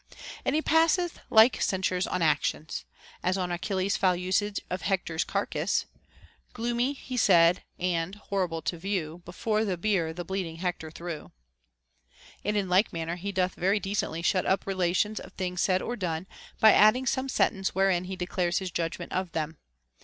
And he passeth like censures on actions. As on ichilles's foul usage of Hectors carcass, — Gloomy he said, and (horrible to view) Before the bier the bleeding Hector threw. § And in like manner he doth very decently shut up rela tions of things said or done, by adding some sentence wherein he declares his judgment of them.